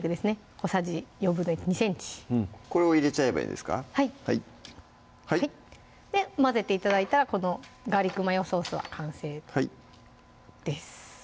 小さじ１／４２ｃｍこれを入れちゃえばいいんですかはいで混ぜて頂いたらこのガーリックマヨソースは完成です